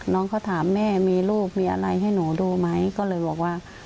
น้องเขาถามแม่มีลูกมีอะไรให้หนูดูไหมก็เลยบอกว่า